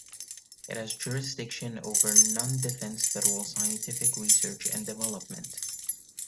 It has jurisdiction over non-defense federal scientific research and development.